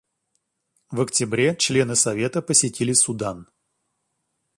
В октябре члены Совета посетили Судан.